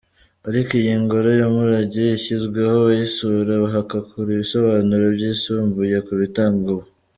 Ariko iyi ngoro y’umurage ishyizweho, abayisura bahakura ibisobanuro byisumbuye ku bitangwa ubu.